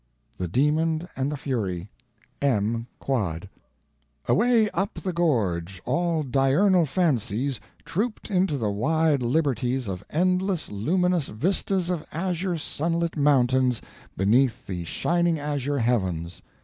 —"The Demon and the Fury."—M. Quad. Away up the gorge all diurnal fancies trooped into the wide liberties of endless luminous vistas of azure sunlit mountains beneath the shining azure heavens.